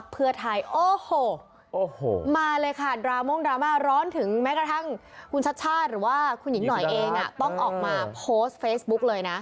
โพสต์เฟซบุ๊คเลยนะ